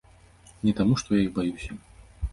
Не таму, што я іх баюся.